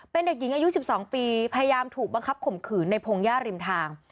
เป็นเด็กหญิงอายุ๑๒ปีพยายามถูกบังคับข่มขืนในพงหญ้าริมทาง